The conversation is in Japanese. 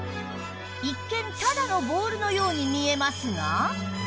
一見ただのボールのように見えますが